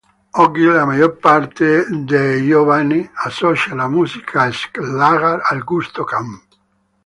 Oggi la maggior parte dei giovani associa la musica schlager al gusto camp.